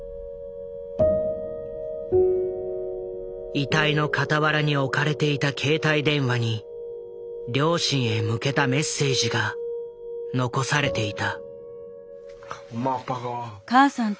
遺体の傍らに置かれていた携帯電話に両親へ向けたメッセージが残されていた。